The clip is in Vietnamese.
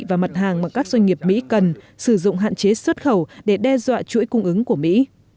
và mặt hàng mà các doanh nghiệp mỹ cần sử dụng hạn chế xuất khẩu để đe dọa chuỗi cung ứng của mỹ